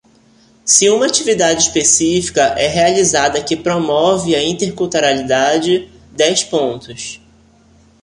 Se uma atividade específica é realizada que promove a interculturalidade: dez pontos.